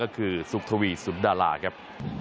ก็คือสุขทวีสุนดาราครับ